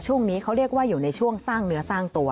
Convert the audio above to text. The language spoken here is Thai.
ช่วงนี้เขาเรียกว่าอยู่ในช่วงสร้างเนื้อสร้างตัว